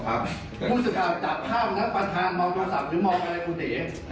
พูดสุดขายจากภาพนั้นพระธานมองโทษศัพท์นึกมองอะไรคุณเด๊